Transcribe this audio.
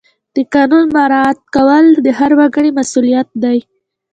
د قانون مراعات کول د هر وګړي مسؤلیت دی.